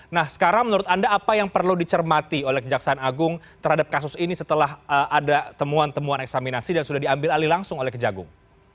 nah sekarang menurut anda apa yang perlu dicermati oleh kejaksaan agung terhadap kasus ini setelah ada temuan temuan eksaminasi dan sudah diambil alih langsung oleh kejagung